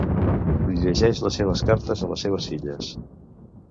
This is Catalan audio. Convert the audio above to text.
Llegeix les seves cartes a les seves filles.